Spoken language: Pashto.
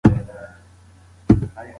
ډېر کسان د واکسین پروسې ته انتظار کوي.